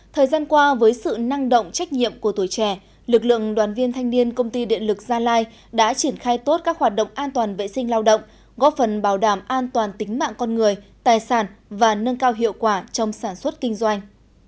thời gian qua với sự năng động trách nhiệm của tuổi trẻ lực lượng đoàn viên thanh niên công ty điện lực gia lai đã triển khai tốt các hoạt động an toàn vệ sinh lao động góp phần bảo đảm an toàn tính mạng con người tài sản và nâng cao hiệu quả trong sản xuất kinh doanh